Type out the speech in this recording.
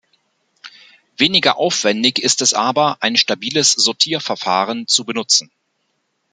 Weniger aufwändig ist es aber, ein stabiles Sortierverfahren zu benutzen.